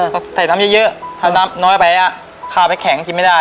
เพราะใส่น้ำเยอะถ้าน้ำน้อยไปข้าวไปแข็งกินไม่ได้